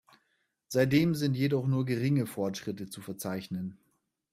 Seitdem sind jedoch nur geringe Fortschritte zu verzeichnen.